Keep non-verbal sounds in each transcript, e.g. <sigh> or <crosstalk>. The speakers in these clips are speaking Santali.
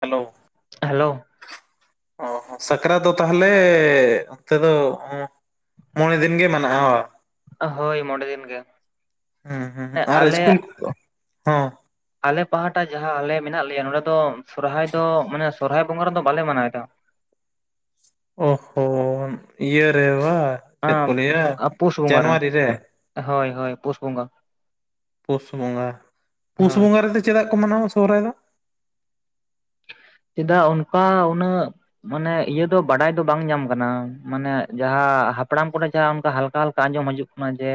ᱦᱮᱞᱳ ᱦᱮᱞᱳ ᱚ, ᱥᱟᱠᱨᱟᱛ ᱫᱚ ᱛᱟᱦᱞᱮ, ᱚᱱᱛᱮ ᱫᱚᱼᱼ ᱢᱚᱬᱮ ᱫᱤᱱ ᱜᱮ ᱢᱮᱱᱟᱜᱼᱟ, ᱚᱸᱼᱼ ᱦᱳᱭ, ᱢᱚᱬᱮ ᱫᱤᱱ ᱜᱮ᱾ ᱦᱩᱸ ᱦᱩᱸ, ᱦᱮᱸ ᱟᱨ ᱟᱞᱮ ᱤᱥᱠᱩᱞ <inaudible> ᱦᱚᱼᱼ ᱟᱞᱮ ᱯᱟᱦᱴᱟ ᱡᱟᱦᱟᱸ, ᱟᱞᱮ ᱢᱮᱱᱟᱜ ᱞᱮᱭᱟ ᱱᱚᱸᱰᱮ ᱫᱚ, ᱥᱚᱨᱦᱚᱨᱟᱭ ᱫᱚ, ᱢᱟᱱᱮ ᱥᱚᱨᱦᱚᱨᱟᱭ ᱵᱚᱸᱜᱟ ᱨᱮᱫᱚ ᱵᱟᱞᱮ ᱢᱟᱱᱟᱣ ᱮ ᱠᱟᱱᱟ᱾ ᱚᱦᱼᱦᱚ, ᱤᱭᱟᱹ ᱨᱮ ᱵᱟ, ᱪᱮᱫ ᱠᱚ ᱟᱸ ᱞᱟᱭ ᱟ ᱡᱟᱱᱩᱣᱟᱨᱤ ᱨᱮ? ᱦᱳᱭ ᱦᱳᱭ, ᱯᱩᱥ ᱵᱚᱸᱜᱟ᱾ ᱯᱩᱥ ᱵᱚᱸᱜᱟ, ᱯᱩᱥ ᱦᱳᱭ ᱵᱚᱸᱜᱟ ᱨᱮᱫᱚ ᱪᱮᱫᱟᱜ ᱠᱚ ᱢᱟᱱᱟᱣᱟ ᱥᱚᱦᱨᱟᱭ ᱫᱚ? ᱪᱮᱫᱟᱜ, ᱚᱱᱠᱟ, ᱩᱱᱟᱹᱜᱼᱼ ᱢᱟᱱᱮ ᱤᱭᱟᱹ ᱫᱚ, ᱵᱟᱰᱟᱭ ᱫᱚ ᱵᱟᱝ ᱧᱟᱢ ᱠᱟᱱᱟ, ᱢᱟᱱᱮ ᱡᱟᱦᱟᱸ, ᱦᱟᱯᱲᱟᱢ ᱠᱟᱴᱮᱽ ᱡᱟᱦᱟᱸ ᱚᱱᱠᱟ ᱦᱟᱞᱠᱟ ᱦᱟᱞᱠᱟ ᱟᱸᱡᱚᱢ ᱦᱤᱡᱩᱜᱼᱼ ᱢᱟᱡᱮ,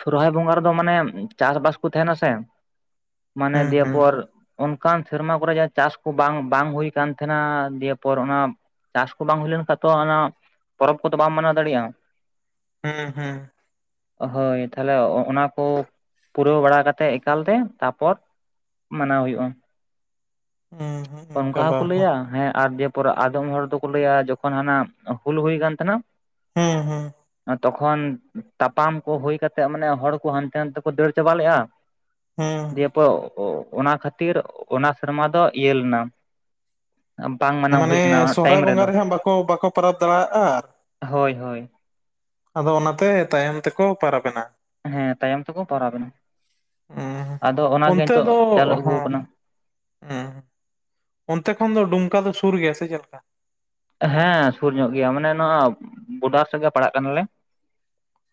ᱥᱚᱦᱨᱟᱭ ᱵᱚᱸᱜᱟ ᱨᱮᱫᱚ ᱢᱟᱱᱮ, ᱪᱟᱥᱵᱟᱥ ᱠᱚ ᱛᱮᱦᱮᱱᱟ ᱥᱮ᱾ ᱢᱟᱱᱮ ᱦᱩᱸ ᱫᱤᱭᱮ ᱦᱩᱸ ᱯᱚᱨ, ᱚᱱᱠᱟᱱ ᱥᱮᱨᱢᱟ ᱠᱚᱨᱮ ᱡᱟᱦᱟᱸ ᱪᱟᱥᱼᱼ ᱵᱟᱝ, ᱵᱟᱝ ᱦᱩᱭ ᱠᱟᱱ ᱛᱮᱸᱦᱮᱱᱟ, ᱫᱤᱭᱮᱯᱚᱨ ᱚᱱᱟ, ᱪᱟᱥ ᱠᱚ ᱵᱟᱝ ᱦᱩᱭ ᱞᱮᱱᱠᱷᱟᱱ ᱛᱚ ᱚᱱᱟᱼᱼ ᱯᱚᱨᱚᱵ ᱠᱚᱫᱚ ᱵᱟᱢ ᱢᱟᱱᱟᱣ ᱫᱟᱲᱮᱭᱟᱜᱼᱟ᱾ ᱦᱩᱸ ᱦᱩᱸ ᱦᱳᱭ, ᱛᱟᱦᱞᱮ ᱚᱱᱟ ᱠᱚ, ᱯᱩᱨᱟᱹᱣ ᱵᱟᱲᱟ ᱠᱟᱛᱮᱫ ᱮᱠᱟᱞ ᱛᱮ, ᱛᱟᱯᱚᱨᱼᱼ ᱢᱟᱱᱟᱣ ᱦᱩᱭᱩᱜᱼᱟ᱾ ᱦᱩᱸ ᱦᱩᱸ ᱚᱱᱠᱟ ᱦᱚᱸᱠᱚ ᱞᱟᱹᱭᱼᱟ, ᱦᱮᱸ, ᱟᱨ, ᱡᱮ ᱯᱚᱨᱮ ᱟᱫᱚᱢ ᱦᱚᱲ ᱫᱚᱠᱚ ᱞᱟᱹᱭᱼᱟ, ᱡᱚᱠᱷᱚᱱ ᱦᱟᱱᱟ ᱦᱩᱞ ᱦᱩᱭ ᱠᱟᱱ ᱛᱟᱸᱦᱮᱱᱟᱼᱼ ᱦᱩᱸ ᱦᱩᱸ ᱛᱚᱠᱷᱚᱱ, ᱛᱟᱯᱟᱢ ᱠᱚ ᱦᱩᱭ ᱠᱟᱛᱮᱫ ᱢᱟᱱᱮ ᱦᱚᱲ ᱠᱚ ᱦᱟᱱᱛᱮ ᱱᱟᱱᱛᱮ ᱠᱚ ᱫᱟᱹᱲ ᱪᱟᱵᱟ ᱞᱮᱼᱟ᱾ ᱦᱩᱸ ᱯᱚ, ᱚ, ᱚ, ᱚᱱᱟ ᱠᱷᱟᱹᱛᱤᱨ, ᱚᱱᱟ ᱥᱮᱨᱢᱟ ᱫᱚ ᱤᱭᱟᱹ ᱞᱮᱱᱟᱼᱼ ᱢᱟᱱᱮ ᱥᱚᱦᱨᱟᱭ ᱵᱚᱸᱜᱟ ᱨᱮᱦᱟᱸᱜ ᱵᱟᱠᱚ, ᱵᱟᱠᱚ ᱯᱚᱨᱟᱵ ᱫᱟᱲᱮᱭᱟᱜᱼᱟ᱾ ᱦᱳᱭ ᱦᱳᱭ, ᱟᱫᱚ ᱚᱱᱟᱛᱮ ᱛᱟᱭᱚᱢ ᱛᱮᱠᱚ ᱯᱟᱨᱟᱵᱱᱟ᱾ ᱦᱮᱸ ᱛᱟᱭᱚᱢ ᱛᱮᱠᱚ ᱯᱟᱨᱟᱵ ᱮᱱᱟ ᱟᱫᱚ ᱚᱱᱟ ᱜᱮ ᱱᱤᱛᱚᱜ ᱪᱟᱹᱞᱩ ᱟᱹᱜᱩ ᱟᱠᱟᱱᱟ᱾ ᱦᱮᱸ ᱚᱱᱛᱮ ᱠᱷᱚᱱ ᱫᱚ ᱰᱩᱢᱠᱟ ᱫᱚ ᱥᱩᱨ ᱜᱮᱭᱟ ᱥᱮ ᱪᱮᱫ ᱞᱮᱠᱟ? ᱦᱮᱸ ᱥᱩᱨ ᱧᱚᱜ ᱜᱮᱭᱟ ᱢᱟᱱᱮ ᱱᱚᱣᱟ ᱵᱳᱰᱟᱨ ᱥᱮᱫ ᱜᱮ ᱯᱟᱲᱟᱜ ᱠᱟᱱᱟᱞᱮ᱾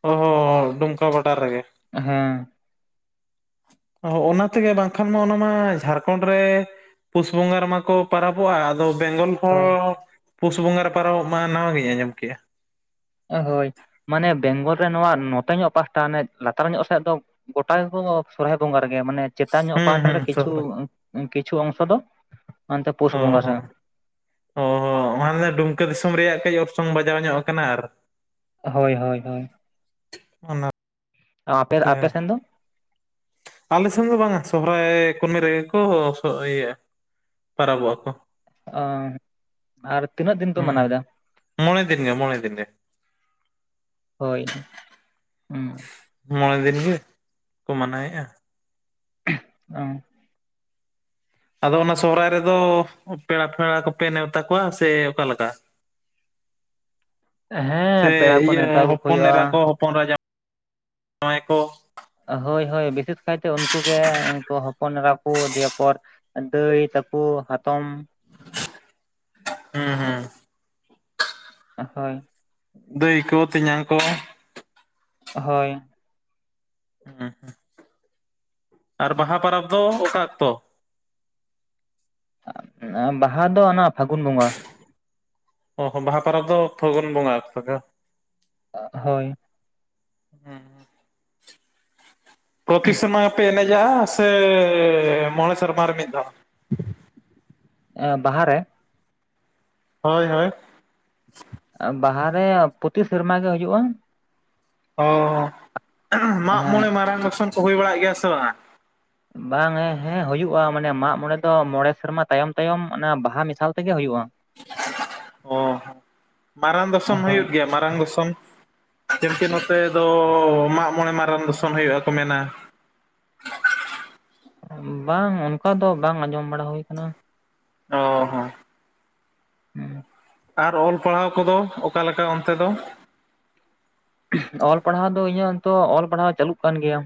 ᱦᱚᱸ ᱦᱸ ᱰᱩᱢᱠᱟ ᱵᱚᱰᱟᱨ ᱨᱮᱜᱮ᱾ ᱦᱮᱸ ᱚᱱᱟ ᱛᱮᱜᱮ ᱵᱟᱝᱠᱷᱟᱱ ᱢᱟ ᱚᱱᱟ ᱢᱟ ᱡᱷᱟᱲᱠᱷᱚᱱᱰ ᱨᱮ, ᱯᱩᱥ ᱵᱚᱸᱜᱟ ᱨᱮᱢᱟ ᱠᱚ ᱯᱚᱨᱟᱵᱚᱜᱼᱟ ᱟᱫᱚ ᱵᱮᱝᱜᱚᱞ ᱦᱚᱲ ᱦᱳᱭ ᱦᱚᱸ ᱯᱩᱥ ᱵᱚᱸᱜᱟ ᱨᱮ ᱯᱟᱨᱚᱢᱚᱵ ᱢᱟ ᱱᱟᱣᱟ ᱜᱤᱧ ᱟᱸᱡᱚᱢ ᱠᱮᱫᱼᱟ, ᱦᱳᱭ ᱢᱟᱱᱮ ᱵᱮᱝᱜᱚᱞ ᱨᱮ ᱱᱚᱣᱟ ᱱᱚᱛᱮ ᱧᱚᱜ ᱯᱟᱦᱴᱟ ᱚᱱᱮ ᱞᱟᱛᱟᱨ ᱧᱚᱜ ᱥᱮᱫ ᱫᱚ ᱜᱳᱴᱟ ᱜᱮᱠᱚ ᱥᱚᱨᱦᱟᱭ ᱵᱚᱸᱜᱟ ᱨᱮᱜᱮ, ᱢᱟᱱᱮ ᱪᱮᱛᱟᱱ ᱧᱚᱜ ᱦᱩᱸ ᱯᱟᱦᱴᱟ ᱦᱩᱸ ᱨᱮ ᱥᱚᱦ ᱠᱤᱪᱷᱩ ᱠᱤᱪᱷᱩ ᱚᱝᱥᱚ ᱫᱚ᱾ ᱚᱱᱛᱮ ᱯᱩᱥ ᱵᱚᱸᱜᱟ ᱥᱮᱫ ᱚ, ᱚ ᱦᱚ ᱢᱟᱱᱮ ᱰᱩᱢᱠᱟᱹ ᱫᱤᱥᱚᱢ ᱨᱮᱭᱟᱜ ᱠᱟᱹᱡ ᱚᱨᱥᱚᱝ ᱵᱟᱡᱟᱣ ᱧᱚᱜ ᱟᱠᱟᱱᱟ ᱟᱨ, ᱦᱳᱭ ᱦᱳᱭ ᱦᱳᱭ, ᱚᱱᱟ, ᱟᱯᱮ ᱟᱯᱮ ᱥᱮᱱ ᱫᱚ? ᱟᱞᱮ ᱥᱮᱱ ᱫᱚ ᱵᱟᱝᱟ ᱥᱚᱦᱨᱟᱭ ᱠᱩᱱᱟᱹᱢᱤ ᱨᱮᱜᱮ ᱠᱚ ᱥᱚ ᱤᱭᱟᱹᱜᱼᱟ ᱯᱟᱨᱟᱵᱚᱜᱼᱟ ᱠᱚ᱾ ᱟ ᱟᱨ ᱛᱤᱱᱟᱹᱜ ᱫᱤᱱ ᱯᱮ ᱦᱩᱸ ᱢᱟᱱᱟᱣ ᱮᱫᱟ? ᱢᱚᱬᱮ ᱫᱤᱱ ᱜᱮ ᱢᱚᱬᱮ ᱫᱤᱱ ᱜᱮ ᱦᱳᱭ ᱦᱩᱸ, ᱢᱚᱬᱮ ᱫᱤᱱ ᱜᱮᱠᱚ ᱢᱟᱱᱟᱣᱮᱫᱼᱟ, ᱚ, ᱟᱫᱚ ᱚᱱᱟ ᱥᱚᱦᱚᱨᱟᱭ ᱨᱮᱫᱚ ᱯᱮᱲᱟ ᱯᱷᱮᱲᱟ ᱠᱚᱯᱮ ᱱᱮᱣᱛᱟ ᱠᱚᱣᱟ ᱥᱮ ᱚᱠᱟᱞᱮᱠᱟ? ᱦᱮᱸ ᱥᱮ ᱯᱮᱲᱟ ᱠᱚ ᱤᱭᱟᱹ ᱱᱮᱣᱛᱟ ᱟᱹᱜᱩ ᱠᱚ ᱦᱚᱯᱚᱱ ᱦᱩᱭᱩᱜᱼᱟ ᱮᱨᱟ ᱠᱚ? ᱦᱚᱯᱚᱱ ᱮᱨᱟ ᱡᱟᱣᱟᱭ ᱠᱚ, ᱦᱳᱭ ᱦᱳᱭ ᱵᱤᱥᱮᱥ ᱠᱟᱭᱛᱮ ᱩᱱᱠᱩ ᱜᱮ ᱩᱱᱠᱩ ᱦᱚᱯᱚᱱ ᱮᱨᱟ ᱠᱚ, ᱫᱤᱭᱮ ᱯᱚᱨ ᱫᱟᱹᱭ ᱛᱟᱠᱚ, ᱦᱟᱛᱚᱢ, ᱦᱩᱸ ᱦᱩᱸ, ᱦᱳᱭ, ᱫᱟᱹᱭ ᱠᱚ ᱛᱮᱧᱟᱝ ᱠᱚ, ᱦᱳᱭ, ᱦᱮᱸ ᱟᱨ ᱵᱟᱦᱟ ᱯᱟᱨᱟᱵᱽ ᱫᱚ ᱚᱠᱟ ᱚᱠᱛᱚ? ᱟ ᱵᱟᱦᱟ ᱫᱚ ᱚᱱᱟ ᱯᱷᱟᱹᱜᱩᱱ ᱵᱚᱸᱜᱟ᱾ ᱚ ᱦᱚ ᱵᱟᱦᱟ ᱯᱟᱨᱟᱵᱽ ᱫᱚ ᱯᱷᱟᱹᱜᱚᱱ ᱵᱚᱸᱜᱟ ᱚᱠᱛᱚ ᱜᱮ ᱾ ᱦᱳᱭ, ᱦᱩᱸ, ᱯᱨᱚᱛᱤ ᱥᱮᱨᱢᱟ ᱜᱮ ᱯᱮ ᱮᱱᱮᱡᱟᱜᱼᱟ ᱥᱮ ᱢᱚᱬᱮ ᱥᱮᱨᱢᱟ ᱨᱮ ᱢᱤᱫ ᱫᱷᱟᱣ? ᱮ ᱵᱟᱦᱟ ᱨᱮ? ᱦᱳᱭ ᱦᱳᱭ, ᱵᱟᱦᱟ ᱨᱮ ᱯᱚᱛᱤ ᱥᱮᱨᱢᱟ ᱜᱮ ᱦᱩᱭᱩᱜᱼᱟ᱾ ᱚ ᱢᱟᱜᱼᱢᱚᱬᱮ ᱦᱮᱸ ᱢᱟᱨᱟᱝ <inaudible> ᱠᱚ ᱦᱩᱭ ᱵᱟᱲᱟᱜ ᱜᱮᱭᱟ ᱥᱮ ᱵᱟᱝᱼᱟ? ᱵᱟᱝᱼᱮ ᱦᱮᱸ ᱦᱩᱭᱩᱜᱼᱟ ᱢᱟᱱᱮ ᱢᱟᱜ ᱢᱚᱬᱮ ᱫᱚ ᱢᱚᱬᱮ ᱥᱮᱨᱢᱟ ᱛᱟᱭᱚᱢ ᱛᱟᱭᱚᱢ ᱚᱱᱟ ᱵᱟᱦᱟ ᱢᱮᱥᱟᱞ ᱛᱮᱜᱮ ᱦᱩᱭᱩᱜᱼᱟ᱾ ᱚ ᱢᱟᱨᱟᱝ ᱫᱚᱥᱚᱢ ᱦᱳᱭ ᱦᱩᱭᱩᱜ ᱜᱮᱭᱟ ᱢᱟᱨᱟᱝ ᱫᱚᱥᱚᱢ? ᱠᱤᱱᱛᱩ ᱱᱚᱛᱮ ᱫᱚ ᱢᱟᱜ ᱢᱚᱬᱮ ᱢᱟᱨᱟᱝ ᱫᱚᱥᱚᱱ ᱦᱩᱭᱩᱜᱼᱟ ᱠᱚ ᱢᱮᱱᱟ᱾ ᱵᱟᱝ ᱚᱱᱠᱟ ᱫᱚ ᱵᱟᱝ ᱟᱸᱡᱚᱢ ᱵᱟᱲᱟ ᱦᱩᱭ ᱟᱠᱟᱱᱟ᱾ ᱚ᱾ ᱦᱚᱸ ᱟᱨ ᱚᱞ ᱯᱟᱲᱦᱟᱣ ᱠᱚᱫᱚ ᱚᱠᱟ ᱞᱮᱠᱟ ᱚᱱᱛᱮ ᱫᱚ᱾ ᱚᱞ ᱯᱟᱲᱦᱟᱣ ᱫᱚ ᱤᱧᱟᱜ ᱫᱚ ᱚᱞ ᱯᱟᱲᱦᱟᱣ ᱪᱟᱹᱞᱩᱜ ᱠᱟᱱ ᱜᱮᱭᱟ᱾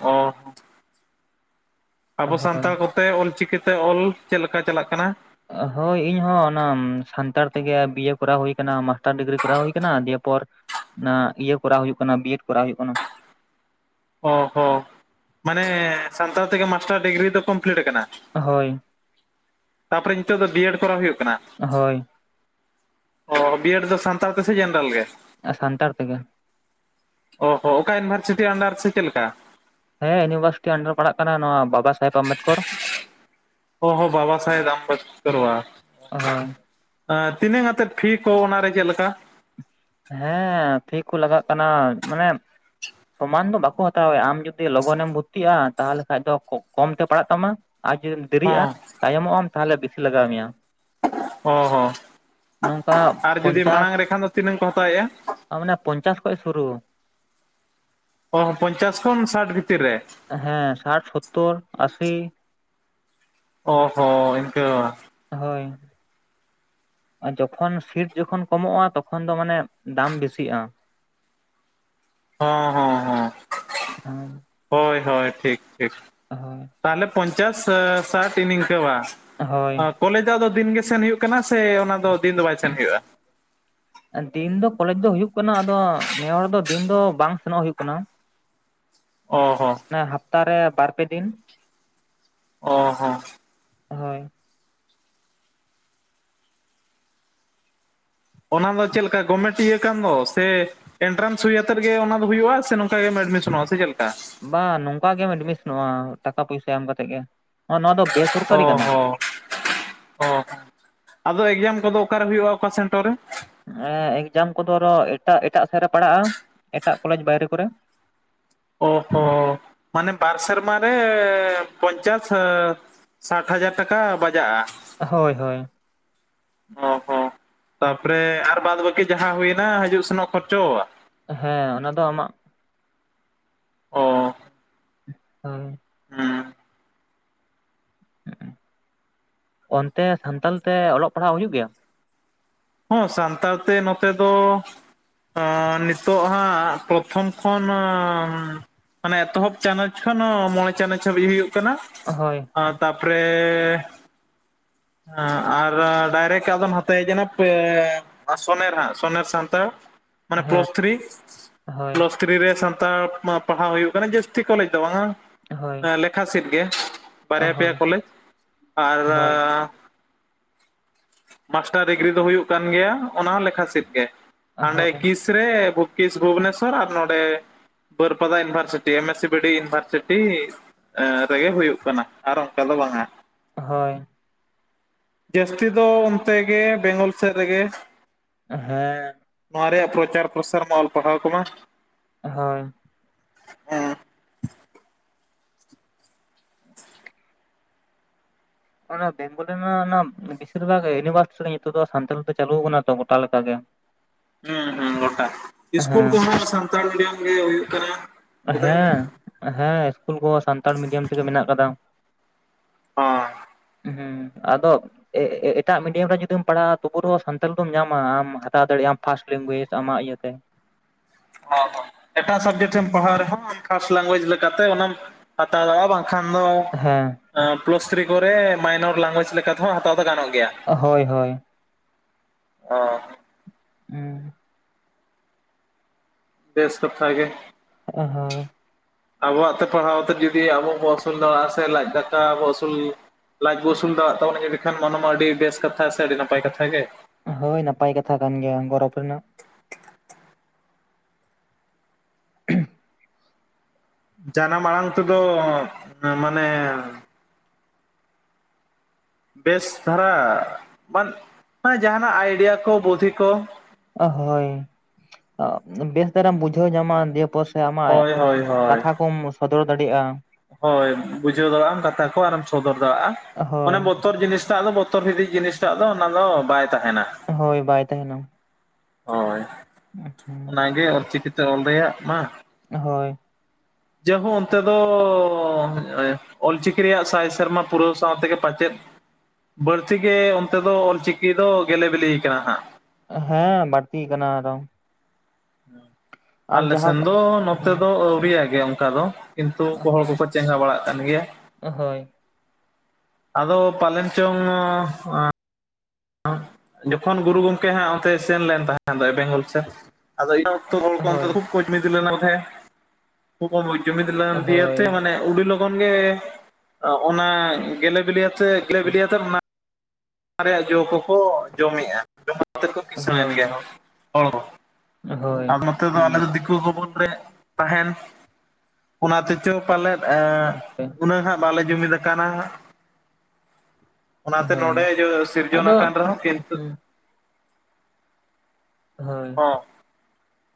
ᱚ᱾ ᱦᱚᱸ ᱟᱵᱚ ᱦᱳᱭ ᱥᱟᱱᱛᱟᱲ ᱠᱚᱛᱮ ᱚᱞ‌ ᱪᱤᱠᱤᱛᱮ ᱚᱞ ᱪᱮᱫᱮ ᱞᱮᱠᱟ ᱪᱟᱞᱟᱜ ᱠᱟᱱᱟ? ᱾ ᱦᱳᱭ ᱤᱧ ᱦᱚᱸ ᱚᱱᱟ ᱥᱟᱱᱛᱟᱲ ᱛᱮᱜᱮ ᱵᱤᱭᱮ ᱠᱚᱨᱟᱣ ᱦᱩᱭ ᱠᱟᱱᱟ‌‌ ᱢᱟ ᱾ ᱢᱟᱥᱴᱟᱨ ᱰᱤᱜᱽᱨᱤ ᱠᱚᱨᱟᱣ ᱦᱩᱭ ᱠᱟᱱᱟ ᱫᱤᱭᱮ ᱯᱚᱨ ᱚᱱᱟ ᱤᱭᱟᱹ ᱠᱚᱨᱟᱣ ᱦᱩᱭᱩᱜ ᱠᱟᱱᱟ ᱵᱤᱭᱮᱰ ᱠᱚᱨᱟᱣ ᱦᱩᱭᱩᱜ ᱠᱟᱱᱟ᱾ ᱚ ᱦᱚᱸ ᱢᱟᱱᱮ ᱥᱟᱱᱛᱟᱲ ᱛᱮᱜᱮ ᱢᱟᱥᱴᱟᱨ ᱰᱤᱜᱽᱨᱤ ᱫᱚ ᱠᱚᱢᱯᱞᱤᱴ ᱠᱟᱱᱟ? ᱦᱳᱭ᱾ ᱛᱟᱯᱚᱨᱮ ᱱᱤᱛᱚᱜ ᱫᱚ ᱵᱤᱭᱮᱰ ᱠᱚᱨᱟᱣ ᱦᱩᱭᱩᱜ ᱠᱟᱱᱟ? ᱦᱳᱭ᱾ ᱚ ᱵᱤᱭᱮᱰ ᱫᱚ ᱥᱟᱱᱛᱟᱲ ᱛᱮᱥᱮ ᱡᱮᱱᱨᱟᱞ ᱜᱮ? ᱟᱨ ᱥᱟᱱᱛᱟᱲ ᱛᱮᱜᱮ᱾ ᱚ ᱦᱚ ᱚᱠᱟ ᱤᱱᱵᱷᱟᱨᱥᱤᱴᱤ ᱚᱰᱟᱨ ᱥᱮ ᱪᱮᱫ ᱞᱮᱠᱟ? ᱦᱮᱸ ᱤᱭᱩᱱᱤᱵᱷᱟᱨᱥᱤᱴᱤ ᱟᱱᱰᱟᱨ ᱯᱟᱲᱟᱜ ᱠᱟᱱᱟ ᱱᱚᱣᱟ ᱵᱟᱵᱟ᱾ ᱥᱟᱦᱮᱵᱽ ᱟᱢᱵᱮᱫᱠᱚᱨ ᱚ ᱦᱚ ᱵᱟᱵᱟ ᱥᱟᱦᱮᱵᱽ ᱟᱢᱵᱮᱫᱽᱠᱚᱨ᱾ ᱦᱳᱭ ᱛᱤᱱᱟᱹᱜ ᱠᱟᱛᱮᱫ ᱯᱷᱤ ᱠᱚ ᱚᱱᱟ ᱨᱮᱜᱮ ᱞᱮᱠᱟ? ᱦᱮᱸ ᱯᱷᱤ ᱠᱚ ᱞᱟᱜᱟᱜ ᱠᱟᱱᱟ ᱢᱟᱱᱮ᱾ ᱥᱚᱢᱟᱱ ᱫᱚ ᱵᱟᱠᱚ ᱦᱟᱛᱟᱣᱮᱜᱼᱟ ᱟᱢ ᱡᱚᱫᱤ ᱞᱚᱜᱚᱱᱮᱢ ᱵᱷᱩᱨᱛᱤᱜᱼᱟ ᱛᱟᱦᱚᱞᱮ ᱠᱷᱟᱱ ᱫᱚ ᱠᱚᱢ ᱠᱚᱢ ᱛᱮ ᱯᱟᱲᱟᱜ ᱛᱟᱢᱟ᱾ ᱟᱨ ᱡᱩᱫᱤᱢ ᱫᱮᱨᱤᱜᱼᱟ ᱦᱚᱸ ᱛᱟᱭᱚᱢᱚᱜ ᱟᱢ ᱛᱟᱦᱚᱞᱮ ᱵᱮᱥᱤ ᱞᱟᱜᱟᱣ ᱢᱮᱭᱟ᱾ ᱚ ᱦᱚᱸ ᱱᱚᱝᱠᱟ ᱟᱨ ᱡᱩᱫᱤ ᱢᱟᱲᱟᱝ ᱨᱮᱠᱷᱟᱱ ᱫᱚ ᱛᱤᱱᱟᱹᱝ ᱠᱚ ᱦᱟᱛᱟᱣᱮᱜᱼᱟ᱾ ᱟᱨ ᱢᱟᱱᱮ ᱯᱚᱧᱪᱟᱥ ᱠᱷᱚᱡ ᱥᱩᱨᱩ᱾ ᱚᱦᱚ ᱯᱚᱧᱪᱟᱥ ᱠᱷᱚᱱ ᱥᱟᱴ ᱵᱷᱤᱛᱤᱨ ᱨᱮ᱾ ᱦᱮᱸ ᱥᱟᱴ ᱥᱚᱛᱛᱳᱨ ᱟᱥᱤ᱾ ᱚ ᱦᱚ ᱤᱱᱠᱟᱹ᱾ ᱦᱳᱭ᱾ ᱟᱨ ᱡᱚᱠᱷᱚᱱ ᱥᱤᱴ ᱡᱚᱠᱷᱚᱱ ᱠᱚᱢᱚᱜᱼᱟ ᱛᱚᱠᱷᱚᱱ ᱫᱚ ᱢᱟᱱᱮ ᱫᱟᱢ ᱵᱤᱥᱤᱜᱼᱟ᱾ ᱚ ᱦᱚ ᱦᱚ ᱦᱳᱭ ᱦᱳᱭ ᱴᱷᱤᱠ᱾ ᱴᱷᱤᱠ ᱛᱟᱦᱚᱞᱮ ᱯᱚᱧᱪᱟᱥ ᱥᱟᱹ ᱥᱟᱴ ᱤᱱ ᱤᱝᱠᱟᱹ ᱵᱟ᱾ ᱦᱳᱭ ᱠᱚᱞᱮᱡᱽ ᱫᱚ ᱟᱫᱚ ᱫᱤᱱ ᱜᱮ ᱥᱮᱱ ᱦᱩᱭᱩᱜ ᱠᱟᱱᱟ ᱥᱮ ᱚᱱᱟ ᱫᱚ ᱫᱤᱱ ᱫᱚ ᱵᱟᱭ ᱥᱮᱱ ᱦᱩᱭᱩᱜᱼᱟ? ᱫᱤᱱ ᱫᱚ ᱠᱚᱞᱮᱡᱽ ᱫᱚ ᱦᱩᱭᱩᱜ ᱠᱟᱱᱟ ᱟᱫᱚ ᱱᱮ ᱦᱚᱲ ᱫᱚ ᱫᱤᱱ ᱫᱚ ᱵᱟᱝ ᱥᱮᱱᱚᱜ ᱦᱩᱭᱩᱜ ᱠᱟᱱᱟ᱾ ᱚ ᱦᱚ᱾ ᱦᱟᱯᱛᱟ ᱨᱮ ᱵᱟᱨ ᱯᱮ ᱫᱤᱱ᱾ ᱚ ᱦᱚᱸ᱾ ᱦᱳᱭ᱾ ᱚᱱᱟ ᱫᱚ ᱪᱮᱫ ᱞᱮᱠᱟ ᱜᱚᱵᱢᱮᱴᱤᱭᱟᱹ ᱠᱟᱱ ᱫᱚ ᱥᱮ᱾ ᱮᱱᱴᱨᱟᱱᱥ ᱦᱩᱭ ᱟᱛᱮᱫ ᱜᱮ ᱚᱱᱟ ᱫᱚ ᱦᱩᱭᱩᱜᱼᱟ ᱥᱮ ᱱᱚᱝᱠᱟ ᱜᱮᱢ ᱮᱰᱢᱤᱥᱚᱱᱚᱜᱼᱟ ᱥᱮ ᱪᱮᱫ ᱞᱮᱠᱟ᱾ ᱵᱟ ᱱᱚᱝᱠᱟ ᱜᱮᱢ ᱮᱰᱢᱤᱥᱚᱱᱚᱜᱼᱟ ᱴᱟᱠᱟ ᱯᱚᱭᱥᱟ ᱮᱢ ᱠᱟᱛᱮᱜ ᱜᱮ ᱱᱚᱣᱟ ᱫᱚ ᱵᱮᱥ᱾ ᱚ ᱦᱚᱸ ᱚ ᱦᱚᱸ ᱟᱫᱚ ᱮᱠᱡᱟᱢ ᱠᱚᱫᱚ ᱚᱠᱟᱨᱮ ᱦᱩᱭᱩᱜᱼᱟ ᱚᱠᱟ ᱥᱮᱱᱴᱟᱨ ᱨᱮ᱾ ᱮᱠᱡᱟᱢ ᱠᱚᱫᱚ ᱮᱴᱟᱜ ᱮᱴᱟᱜ ᱥᱮᱫ ᱨᱮ ᱯᱟᱲᱟᱜᱼᱟ ᱮᱴᱟᱜ ᱠᱚᱞᱮᱡᱽ ᱵᱟᱭᱨᱮ ᱠᱚᱨᱮ᱾ ᱚ ᱦᱚ ᱢᱟᱱᱮ ᱵᱟᱨ ᱥᱮᱨᱢᱟ ᱨᱮ ᱯᱚᱧᱪᱟᱥ ᱦᱟᱹ ᱥᱟᱴ ᱦᱟᱡᱟᱨ ᱴᱟᱠᱟ ᱵᱟᱡᱟᱜᱼᱟ᱾ ᱦᱳᱭ ᱦᱳᱭ᱾ ᱚ ᱦᱚ ᱛᱟᱯᱚᱨᱮ ᱟᱨ ᱵᱟᱫᱽ ᱵᱟᱹᱠᱤ ᱡᱟᱦᱟᱸ ᱦᱩᱭᱮᱱᱟ ᱦᱤᱡᱩᱜ ᱥᱮᱱᱚᱜ ᱠᱷᱚᱨᱪᱚ᱾ ᱦᱮᱸ ᱚᱱᱟ ᱫᱚ ᱟᱢᱟᱜ᱾ ᱮᱸ ᱛᱟᱭ ᱦᱩᱸ ᱚᱱᱛᱮ ᱥᱟᱱᱛᱟᱞ ᱛᱮ ᱚᱞᱚᱜ ᱯᱟᱲᱦᱟᱜ ᱦᱩᱭᱩᱜ ᱜᱮᱭᱟ ᱦᱮᱸ ᱥᱟᱱᱛᱟᱲ ᱛᱮ ᱱᱚᱛᱮ ᱫᱚ ᱱᱤᱛᱚᱜ ᱦᱟᱸᱜ ᱯᱨᱚᱛᱷᱚᱢ ᱠᱷᱚᱱ ᱢᱟᱱᱮ ᱮᱛᱚᱦᱚᱵ ᱪᱟᱱᱟᱪ ᱠᱷᱚᱱ ᱦᱚᱸ ᱢᱚᱬᱮ ᱪᱟᱱᱟᱪ ᱦᱟᱵᱤᱡ ᱦᱩᱭᱩᱜ ᱠᱟᱱᱟ ᱦᱳᱭ ᱛᱟᱯᱚᱨᱮ ᱟᱨ ᱰᱟᱭᱨᱮᱠᱴ ᱟᱫᱚ ᱱᱚᱛᱮ ᱦᱮᱡᱮᱱᱟ ᱥᱚᱱᱮᱨ ᱦᱟᱸᱜ ᱥᱚᱱᱮᱨ ᱥᱟᱱᱛᱟᱲ ᱢᱟᱱᱮ ᱦᱮᱸ ᱯᱞᱟᱥ ᱛᱷᱨᱤ ᱦᱳᱭ ᱛᱷᱨᱤ ᱨᱮ ᱥᱟᱱᱛᱟᱲ ᱯᱟᱲᱦᱟᱣ ᱦᱩᱭᱩᱜ ᱠᱟᱱᱟ ᱡᱥᱛᱤ ᱠᱚᱞᱮᱡᱽ ᱫᱚ ᱵᱟᱝᱟ ᱦᱳᱭ ᱟᱠᱷᱟ ᱥᱮᱫ ᱜᱮ ᱵᱟᱨᱭᱟ ᱯᱮᱭᱟ ᱦᱳᱭ ᱠᱚᱞᱮᱡᱽ ᱟᱨ ᱦᱳᱭ ᱢᱟᱥᱴᱟᱨ ᱰᱤᱜᱽᱨᱤ ᱫᱚ ᱦᱩᱭᱩᱜ ᱠᱟᱱ ᱜᱮᱭᱟ ᱚᱱᱟ ᱦᱚᱸ ᱞᱮᱠᱷᱟ ᱥᱤᱴ ᱜᱮ ᱦᱟᱸᱰᱮ ᱦᱳᱭ ᱠᱤᱥ ᱨᱮ ᱵᱩᱠ ᱠᱤᱥ ᱵᱷᱩᱵᱚᱱᱮᱥᱥᱚᱨ ᱟᱨ ᱱᱚᱰᱮ Baripada university M S C B D university ᱨᱮᱜᱮ ᱦᱩᱭᱩᱜ ᱠᱟᱱᱟ ᱟᱨ ᱚᱱᱠᱟ ᱫᱚ ᱵᱟᱝᱟ ᱦᱳᱭ ᱡᱟᱹᱥᱛᱤ ᱫᱚ ᱚᱱᱛᱮ ᱜᱮ ᱵᱮᱝᱜᱚᱞ ᱥᱮᱫ ᱨᱮᱜᱮ ᱦᱮᱸ ᱱᱚᱣᱟ ᱨᱮᱭᱟᱜ ᱯᱨᱚᱪᱟᱨ ᱯᱨᱚᱥᱟᱨ ᱢᱟ ᱚᱞ ᱯᱟᱲᱦᱟᱣ ᱠᱚᱢᱟ ᱦᱳᱭ ᱦᱩᱸ ᱚᱱᱟ ᱵᱮᱝᱜᱚᱞ ᱨᱮᱱᱟᱜ ᱚᱱᱟ ᱵᱮᱥᱤᱨ ᱵᱷᱟᱜ ᱤᱭᱩᱱᱤᱵᱷᱟᱨᱥᱤᱴᱤ ᱨᱮ ᱱᱤᱛᱚᱜ ᱫᱚ ᱥᱟᱱᱛᱟᱞᱤ ᱛᱮ ᱪᱟᱞᱩ ᱠᱟᱱᱟ ᱛᱚ ᱜᱚᱴᱟ ᱞᱮᱠᱟ ᱜᱮ ᱦᱩᱸ ᱦᱩᱸ ᱜᱚᱴᱟ ᱤᱥᱠᱩᱞ ᱦᱮᱸ ᱠᱚᱦᱚᱸ ᱱᱟᱜ ᱥᱟᱱᱛᱟᱲ ᱢᱤᱰᱤᱭᱟᱢ ᱜᱮ ᱦᱩᱭᱩᱜ ᱠᱟᱱᱟ ᱵᱳᱫᱷᱚᱭ ᱦᱮᱸ ᱦᱮᱸ ᱤᱥᱠᱩᱞ ᱠᱚᱦᱚᱸ ᱥᱟᱱᱛᱟᱲ ᱢᱤᱰᱤᱭᱟᱢ ᱛᱮᱜᱮ ᱢᱮᱱᱟᱜ ᱠᱟᱫᱟ ᱦᱚᱸ ᱦᱩᱸ ᱟᱫᱚ ᱮᱴᱟᱜ ᱢᱤᱰᱤᱭᱟᱢ ᱨᱮ ᱡᱩᱫᱤᱢ ᱯᱟᱲᱦᱟᱜᱼᱟ ᱛᱚᱵᱩ ᱨᱮᱦ ᱥᱟᱱᱛᱟᱲᱤ ᱫᱚᱢ ᱧᱟᱢᱟ ᱟᱢ ᱦᱟᱛᱟᱣ ᱫᱟᱲᱮᱭᱟᱜ ᱟᱢ ᱯᱷᱟᱥᱴ ᱞᱮᱝᱜᱩᱭᱮᱡᱽ ᱟᱢᱟᱜ ᱤᱭᱟᱹᱛᱮ ᱮᱴᱟᱜ ᱥᱟᱵᱡᱮᱠᱴ ᱨᱮᱢ ᱯᱟᱲᱦᱟᱣ ᱨᱮᱦᱚᱸ ᱟᱢ ᱯᱷᱟᱥᱴ ᱞᱮᱝᱜᱩᱭᱮᱡ ᱞᱮᱠᱟᱛᱮ ᱚᱱᱟᱢ ᱦᱟᱛᱟᱣ ᱫᱟᱲᱮᱭᱟᱜᱼᱟ ᱵᱟᱝ ᱠᱷᱟᱱ ᱫᱚ ᱦᱮᱸ ᱯᱞᱟᱥ ᱛᱷᱨᱤ ᱠᱚᱨᱮ ᱢᱟᱭᱱᱚᱨ ᱞᱮᱝᱜᱩᱭᱮᱮᱡ ᱛᱮᱦᱚᱸ ᱦᱟᱛᱟᱣ ᱫᱚ ᱜᱟᱱᱚᱜ ᱜᱮᱭᱟ ᱦᱳᱭ ᱦᱳᱭ ᱚ ᱦᱩᱸ ᱵᱮᱥ ᱠᱟᱛᱷᱟ ᱜᱮ ᱚ ᱦᱚᱭ ᱟᱵᱚᱣᱟᱜ ᱛᱮ ᱯᱟᱲᱦᱟᱣ ᱛᱮ ᱡᱩᱫᱤ ᱟᱵᱚ ᱵᱚᱱ ᱟᱹᱥᱩᱞ ᱫᱟᱲᱮᱭᱟᱜᱼᱟ ᱥᱮ ᱞᱟᱡ ᱫᱟᱠᱟ ᱵᱚ ᱟᱹᱥᱩᱞ ᱞᱟᱡ ᱵᱚ ᱟᱹᱥᱩᱞ ᱫᱟᱲᱮᱭᱟᱜ ᱛᱟᱵᱚᱱᱟ ᱮᱸᱰᱮ ᱠᱷᱟᱱ ᱚᱱᱟ ᱢᱟ ᱟᱹᱰᱤ ᱵᱮᱥ ᱠᱟᱛᱷᱟ ᱥᱮ ᱟᱹᱰᱤ ᱱᱟᱯᱟᱭ ᱠᱟᱛᱷᱟ ᱜᱮ ᱦᱳᱭ ᱱᱟᱯᱟᱭ ᱠᱟᱛᱷᱟ ᱠᱟᱱ ᱜᱮᱭᱟ ᱜᱚᱨᱚᱵᱽ ᱨᱮᱱᱟᱜ <unintelligible> ᱡᱟᱱᱟᱢ ᱟᱲᱟᱝ ᱛᱮᱫᱚ ᱢᱟᱱᱮ ᱵᱮᱥ ᱫᱷᱟᱨᱟ ᱢᱟᱱᱮ ᱡᱟᱦᱟᱱᱟᱜ ᱟᱭᱰᱤᱭᱟ ᱠᱚ ᱵᱩᱫᱫᱷᱤ ᱠᱚ ᱦᱳᱭ ᱵᱮᱥ ᱫᱷᱟᱨᱟᱢ ᱵᱩᱡᱷᱟᱹᱣ ᱧᱟᱢᱟ ᱫᱤᱭᱮ ᱯᱚᱨ ᱥᱮ ᱟᱢᱟᱜ ᱦᱳᱭ ᱦᱳᱭ ᱦᱳᱭ ᱠᱟᱛᱷᱟ ᱠᱚᱢ ᱥᱚᱫᱚᱨ ᱫᱟᱲᱮᱭᱟᱜᱼᱟ ᱦᱳᱭ ᱵᱩᱡᱷᱟᱹᱣ ᱫᱟᱲᱮᱭᱟᱜᱼᱟ ᱟᱢ ᱠᱟᱛᱷᱟ ᱠᱚ ᱟᱨᱮᱢ ᱥᱚᱫᱚᱨ ᱫᱟᱲᱮᱭᱟᱜᱼᱟ ᱢᱟᱱᱮ ᱦᱳᱭ ᱵᱚ ᱵᱚᱛᱚᱨ ᱡᱤᱱᱤᱥ ᱴᱟᱜ ᱫᱚ ᱵᱚᱛᱚᱨ ᱵᱷᱤᱛᱤ ᱡᱤᱱᱤᱥ ᱴᱟᱜ ᱫᱚ ᱚᱱᱟ ᱫᱚ ᱵᱟᱭ ᱛᱟᱦᱮᱱᱟ᱾ ᱦᱳᱭ ᱵᱟᱭ ᱛᱟᱦᱮᱱᱟ᱾ ᱦᱳᱭ, ᱚᱱᱟᱜᱮ ᱚᱞᱪᱤᱠᱤ ᱛᱮ ᱚᱞ ᱨᱮᱭᱟᱜ ᱢᱟ ᱦᱳᱭ᱾ ᱡᱟᱭᱦᱳ ᱚᱱᱛᱮ ᱫᱚ ᱛᱚ ᱚᱞᱪᱤᱠᱤ ᱨᱮᱭᱟᱜ ᱥᱟᱭ ᱥᱮᱨᱢᱟ ᱯᱩᱨᱟᱹᱣ ᱥᱟᱶᱛᱮ ᱜᱮ ᱯᱟᱪᱮᱫ ᱵᱟᱹᱲᱛᱤ ᱜᱮ ᱚᱱᱛᱮ ᱫᱚ ᱚᱞᱪᱤᱠᱤ ᱫᱚ ᱜᱮᱹᱞᱮ ᱵᱤᱞᱤ ᱟᱠᱟᱱᱟ ᱦᱟᱸᱜ᱾ ᱦᱮᱸ ᱵᱟᱹᱲᱛᱤ ᱟᱠᱟᱱᱟ ᱟᱨᱚᱸ᱾ ᱟᱞᱮ ᱡᱟᱦᱟᱸ ᱥᱮᱱ ᱫᱚ ᱱᱚᱛᱮ ᱦᱮᱸ ᱫᱚ ᱟᱹᱣᱨᱤᱭᱟᱜ ᱜᱮᱭᱟ ᱚᱱᱠᱟ ᱫᱚ᱾ ᱠᱤᱱᱛᱩ ᱦᱚᱲ ᱦᱳᱭ ᱠᱚᱠᱚ ᱪᱮᱸᱜᱷᱟᱣ ᱵᱟᱲᱟᱜ ᱠᱟᱱ ᱜᱮᱭᱟ᱾ ᱦᱳᱭ ᱟᱫᱚ ᱯᱟᱞᱮᱱ ᱪᱚᱝ ᱡᱚᱠᱷᱚᱱ ᱜᱩᱨᱩ ᱜᱚᱝᱠᱮ ᱦᱟᱸᱜ ᱚᱱᱛᱮ ᱥᱮᱱ ᱞᱮᱱ ᱛᱟᱦᱮᱸ ᱫᱚ ᱵᱮᱝᱜᱚᱞ ᱥᱮᱫ ᱟᱫᱚ ᱤᱱᱟᱹ ᱚᱠᱛᱚ ᱜᱚᱢᱠᱮ <unintelligible> ᱦᱳᱭ ᱩᱱᱠᱩ ᱠᱚ ᱡᱩᱢᱤᱫ ᱞᱮᱱ ᱫᱤᱭᱟ ᱦᱳᱭ ᱛᱮ ᱢᱟᱱᱮ ᱩᱹᱰᱤ ᱞᱚᱜᱚᱱ ᱜᱮ ᱚᱱᱟ ᱜᱮᱞᱮ ᱵᱤᱞᱤᱭᱟᱛᱮᱜ ᱜᱮᱞᱮ ᱵᱤᱞᱤᱭᱟ ᱛᱮᱜ ᱚᱱᱟ ᱚᱱᱟ ᱨᱮᱭᱟᱜ ᱡᱚ ᱠᱚᱠᱚ ᱡᱚᱢᱮᱜᱼᱟ ᱡᱚᱢ ᱠᱟᱛᱮ ᱠᱚ ᱠᱤᱥᱟᱹᱬᱮᱱ ᱦᱳᱭ ᱜᱮ ᱦᱚᱲ᱾ ᱦᱚ ᱦᱳᱭ ᱟᱨ ᱱᱚᱛᱮ ᱫᱚ ᱦᱩᱸ ᱟᱞᱮ ᱫᱤᱠᱩ ᱵᱷᱚᱵᱚᱱ ᱨᱮ ᱛᱟᱦᱮᱱ ᱚᱱᱟ ᱛᱮᱪᱚ ᱯᱟᱞᱮᱫ ᱮ ᱩᱱᱟᱹᱜ ᱦᱟᱸᱜ ᱵᱟᱞᱮ ᱡᱩᱢᱤᱫ ᱟᱠᱟᱱᱟ ᱦᱟᱜ ᱚᱱᱟᱛᱮ ᱦᱳᱭ ᱱᱚᱰᱮ ᱥᱤᱨ ᱡᱚᱱ ᱟᱫᱚ ᱠᱟᱱ ᱨᱮᱦᱚᱸ ᱠᱤᱱᱛᱩ ᱦᱩᱸ ᱦᱳᱭ ᱦᱚᱸ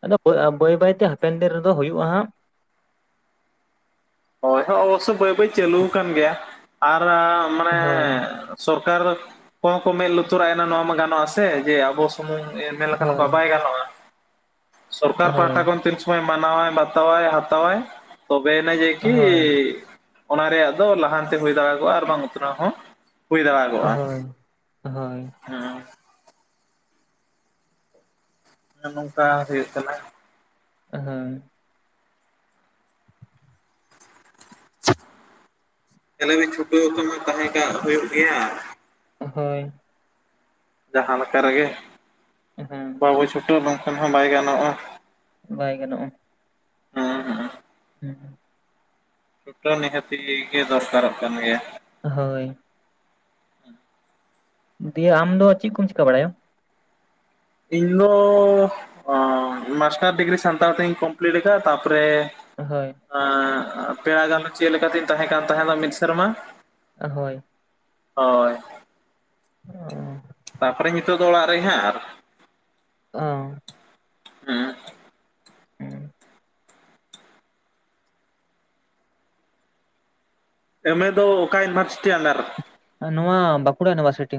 ᱟᱫᱚ ᱵᱟᱹᱭ ᱵᱟᱹᱭᱛᱮ ᱦᱟᱯᱮᱱ ᱫᱤᱱ ᱨᱮᱫᱚ ᱦᱩᱭᱩᱜᱼᱟ ᱦᱟᱸᱜ᱾ ᱦᱳᱭ ᱦᱳ ᱚᱵᱚᱥᱥᱳᱭ ᱵᱟᱹᱭ ᱵᱟᱹᱭ ᱪᱟᱹᱞᱩ ᱟᱠᱟᱱ ᱜᱮᱭᱟ ᱟᱨ ᱢᱟᱱᱮ ᱦᱳᱭ ᱥᱚᱨᱠᱟᱨ ᱠᱚᱦᱚᱸ ᱠᱚ ᱢᱮᱸᱫ ᱞᱩᱛᱩᱨᱟᱜ ᱮᱱᱟ ᱱᱚᱣᱟ ᱢᱟ ᱜᱟᱱᱚᱜᱼᱟᱥᱮ ᱡᱮ ᱟᱵᱚ ᱥᱩᱢᱩᱝ ᱢᱮᱱ ᱞᱮᱠᱷᱟᱡ ᱦᱳᱭ ᱚᱝᱠᱟ ᱵᱟᱭ ᱜᱟᱱᱚᱜᱼᱟ ᱥᱚᱨᱠᱟᱨ ᱦᱳᱭ ᱯᱟᱦᱟᱴᱟ ᱠᱷᱚᱱ ᱢᱟᱱᱟᱣᱟᱭ ᱵᱟᱛᱟᱣᱟᱭ ᱦᱟᱛᱟᱣᱟᱭ ᱛᱚᱵᱮᱱᱤᱹᱡ ᱦᱳᱭ ᱡᱮᱠᱤ ᱚᱱᱟ ᱨᱮᱭᱟᱜ ᱫᱚ ᱞᱟᱦᱟᱱᱛᱤ ᱦᱩᱭ ᱫᱟᱲᱮ ᱠᱚᱜᱼᱟ ᱟᱨ ᱵᱟᱝ ᱩᱛᱱᱟᱹᱣ ᱦᱚᱸ ᱦᱩᱭ ᱫᱟᱲᱮ ᱦᱳᱭ ᱠᱚᱜᱼᱟ ᱦᱳᱭ ᱦᱩᱸ᱾ ᱱᱚᱝᱠᱟ ᱦᱩᱭᱩᱜ ᱠᱟᱱᱟ᱾ ᱦᱮᱸ᱾ <inaudible> ᱛᱟᱦᱞᱮ ᱵᱮᱱ ᱪᱷᱩᱴᱟᱹᱣ ᱟᱠᱟᱱᱟ ᱛᱟᱦᱮᱸᱠᱟᱜ ᱦᱩᱭᱩᱜ ᱜᱮᱭᱟ᱾ ᱦᱳᱭ᱾ ᱡᱟᱦᱟᱸ ᱞᱮᱠᱟ ᱨᱮᱜᱮ ᱦᱮᱸ ᱵᱟᱵᱚ ᱪᱷᱩᱴᱟᱹᱣ ᱞᱮᱠᱷᱟᱱ ᱦᱚᱸ ᱵᱟᱭ ᱜᱟᱱᱚᱜᱼᱟ᱾ ᱵᱟᱭ ᱜᱟᱱᱚᱜᱼᱟ᱾ ᱦᱮᱸ ᱦᱩᱸ᱾ ᱪᱷᱩᱴᱟᱹᱣ ᱱᱤᱦᱟᱹᱛᱤ ᱜᱮ ᱫᱚᱨᱠᱟᱨᱚᱜ ᱠᱟᱱ ᱜᱮᱭᱟ᱾ ᱦᱳᱭ᱾ ᱫᱤᱭᱮ ᱟᱢ ᱫᱚ ᱪᱮᱫ ᱠᱚᱢ ᱪᱮᱠᱟᱹ ᱵᱟᱲᱟᱭᱟ? ᱤᱧᱫᱚ ᱢᱟᱥᱴᱟᱨ ᱰᱤᱜᱽᱨᱤ ᱥᱟᱱᱛᱟᱲ ᱛᱤᱧ ᱠᱚᱢᱯᱤᱞᱤᱴ ᱠᱟᱜᱼᱟ ᱛᱟᱨᱯᱚᱨᱮ ᱦᱳᱭ᱾ ᱯᱮᱲᱟ ᱜᱟᱱᱩ ᱪᱮᱫ ᱞᱮᱠᱟ ᱛᱤᱧ ᱛᱟᱦᱮᱸ ᱠᱟᱱ ᱛᱟᱦᱮᱸᱱᱟ ᱢᱤᱫ ᱥᱮᱨᱢᱟ᱾ ᱦᱳᱭ᱾ ᱦᱳᱭ᱾ <unintelligible> ᱛᱟᱯᱚᱨᱮ ᱱᱤᱛᱳᱜ ᱫᱚ ᱚᱲᱟᱜ ᱨᱮ ᱦᱟᱸᱜ ᱾ ᱚᱻ᱾ ᱦᱩᱸ, ᱦᱩᱸ, ᱮᱢᱮ ᱫᱚ ᱚᱠᱟ ᱤᱭᱩᱱᱤᱵᱷᱟᱨᱥᱤᱴᱤ ᱟᱱᱰᱟᱨ ᱨᱮ? ᱱᱚᱣᱟ ᱵᱟᱸᱠᱩᱲᱟ ᱤᱭᱩᱱᱤᱵᱷᱟᱨᱥᱤᱴᱤ᱾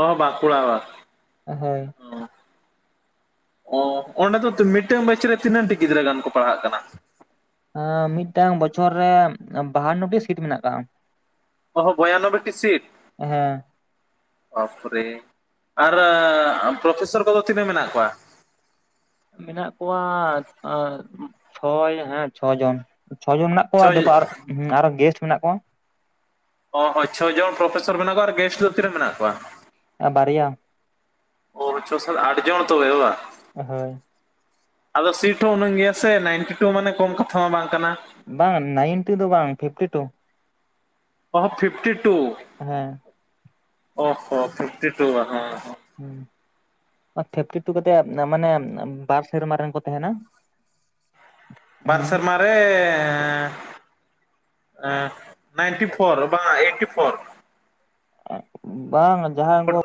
ᱚ ᱵᱟᱸᱠᱩᱲᱟ ᱵᱟ, ᱦᱳᱭ, ᱚ ᱚᱸᱰᱮ ᱫᱚ ᱢᱤᱫᱴᱟᱝ ᱢᱟᱹᱪᱤ ᱨᱮ ᱛᱤᱱᱟᱹᱜ ᱴᱤ ᱜᱤᱫᱽᱨᱟᱹ ᱜᱟᱱ ᱠᱚ ᱯᱟᱲᱦᱟᱜ ᱠᱟᱱᱟ? ᱦᱮᱸ ᱢᱤᱫᱴᱟᱝ ᱵᱚᱪᱷᱚᱨ ᱨᱮ ᱵᱟᱦᱟᱱᱱᱚᱴᱤ ᱥᱤᱴ ᱢᱮᱱᱟᱜ ᱠᱟᱜᱼᱟ᱾ ᱚᱦᱚ ᱵᱭᱟᱱᱚᱵᱵᱳᱭ ᱴᱤ ᱥᱤᱴ ᱦᱮᱸ ᱳᱯᱷ ᱨᱮ, ᱟᱨ ᱯᱨᱚᱯᱷᱮᱥᱚᱨ ᱠᱚᱫᱚ ᱛᱤᱱᱟᱹᱜ ᱢᱮᱱᱟᱜ ᱠᱳᱣᱟ? ᱢᱮᱱᱟᱜ ᱠᱳᱣᱟ ᱮᱸ ᱪᱷᱚᱭ ᱦᱮᱸ ᱪᱷᱚ ᱡᱚᱱ ᱪᱷᱚᱡᱚᱱ ᱢᱮᱱᱟᱜ ᱠᱚᱭᱟ ᱫᱮ ᱪᱷᱚᱭ ᱯᱚᱨ ᱟᱨ ᱦᱩᱸ ᱟᱨ ᱜᱮᱥᱴ ᱢᱮᱱᱟᱜ ᱠᱳᱣᱟ᱾ ᱚ ᱦᱚᱭ ᱪᱷᱚ ᱡᱚᱱ ᱯᱨᱚᱯᱷᱮᱥᱚᱨ ᱢᱮᱱᱟᱜ ᱠᱳᱣᱟ ᱟᱨ ᱜᱮᱥᱴ ᱫᱚ ᱛᱤᱱᱟᱹᱜ ᱢᱮᱱᱟᱜ ᱠᱳᱣᱟ? ᱟᱨ ᱵᱟᱨᱭᱟ ᱾ ᱚᱨ ᱪᱷᱚ ᱥᱟᱛ ᱟᱴ ᱡᱚᱱ ᱛᱵᱮ ᱵᱟᱝ ᱾ ᱦᱳᱭ, ᱟᱫᱚ ᱥᱤᱴ ᱦᱚᱸ ᱩᱱᱟᱹᱝ ᱜᱮᱭᱟ ᱥᱮ ᱱᱟᱭᱤᱱᱴᱤ ᱴᱩ ᱢᱟᱱᱮ ᱠᱚᱢ ᱠᱟᱛᱷᱟ ᱢᱟ ᱵᱟᱝ ᱠᱟᱱᱟ᱾ ᱵᱟᱝ ᱱᱟᱭᱤᱱᱴᱤ ᱫᱚ ᱵᱟᱝ ᱯᱷᱤᱯᱴᱤ ᱴᱩ᱾ ᱚᱦ ᱯᱷᱤᱯᱴᱤ ᱴᱩ ᱦᱮᱸ ᱚ ᱦᱚ ᱯᱷᱤᱯᱴᱤ ᱴᱩ ᱦᱟ, ᱦᱩ, ᱯᱷᱮᱯᱴᱤ ᱴᱩ ᱠᱟᱛᱮᱜ ᱢᱟᱱᱮ ᱵᱟᱨ ᱥᱮᱨᱢᱟ ᱨᱮᱱ ᱠᱚ ᱛᱟᱦᱮᱸᱱᱟ᱾ ᱵᱟᱨ ᱥᱮᱨᱢᱟ ᱨᱮ ᱦᱮᱸ ᱱᱟᱭᱤᱱᱴᱤ ᱯᱷᱳᱨ ᱵᱟᱝᱟ ᱟ ᱮᱭᱤᱴᱴᱤ ᱯᱷᱳᱨ᱾ ᱵᱟᱝ, ᱡᱟᱸᱦᱟᱸ ᱩᱱᱠᱩ